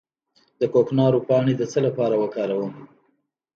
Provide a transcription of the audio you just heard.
د کوکنارو پاڼې د څه لپاره وکاروم؟